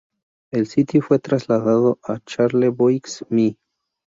El sitio fue trasladado a Charlevoix, Mi.